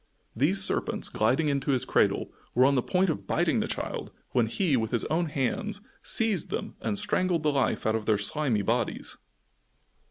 These serpents, gliding into his cradle, were on the point of biting the child when he, with his own hands, seized them and strangled the life out of their slimy bodies.